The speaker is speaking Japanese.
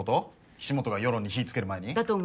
岸本が世論に火付ける前に？